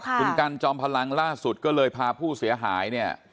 คุณกันจอมพลังล่าสุดก็เลยพาผู้เสียหายเนี่ย